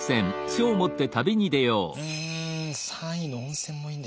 うん３位の温泉もいいんですけどね